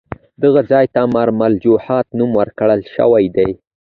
دغه ځای ته ممر الوجحات نوم ورکړل شوی دی.